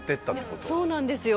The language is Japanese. そうなんですよ。